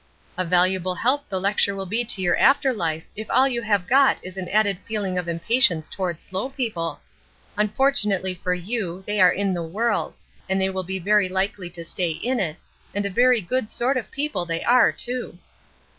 "A valuable help the lecture will be to your after life if all you have got is an added feeling of impatience toward slow people. Unfortunately for you they are in the world, and will be very likely to stay in it, and a very good sort of people they are, too."